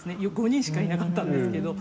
５人しかいなかったんですけど。